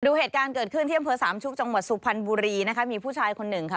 เหตุการณ์เกิดขึ้นที่อำเภอสามชุกจังหวัดสุพรรณบุรีนะคะมีผู้ชายคนหนึ่งค่ะ